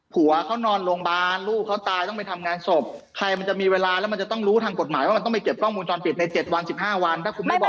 ผัวเขานอนโรงพยาบาลลูกเขาตายต้องไปทำงานศพใครมันจะมีเวลาแล้วมันจะต้องรู้ทางกฎหมายว่ามันต้องไปเก็บกล้องมูลจรปิดใน๗วัน๑๕วันถ้าคุณไม่บอก